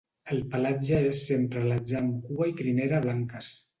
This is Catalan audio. El pelatge és sempre alatzà amb cua i crinera blanques.